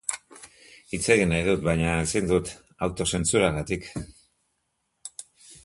Hitz egin nahi dut, baina ezin dut, autozentsuragatik.